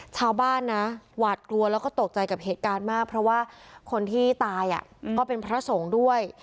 ชาวบ้านนะหวาดกลัวแล้วก็ตกใจกับเหตุการณ์มากเพราะว่าคนที่ตายก็เป็นพระสงฆ์ด้วย